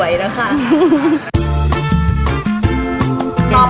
พี่ดาขายดอกบัวมาตั้งแต่อายุ๑๐กว่าขวบ